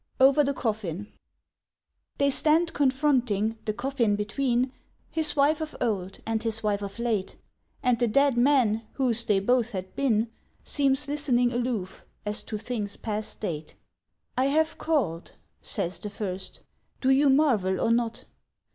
XIV OVER THE COFFIN THEY stand confronting, the coffin between, His wife of old, and his wife of late, And the dead man whose they both had been Seems listening aloof, as to things past date. —"I have called," says the first. "Do you marvel or not?"